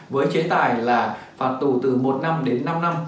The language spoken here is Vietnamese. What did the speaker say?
với chế tài là phạt tù từ một năm đến năm năm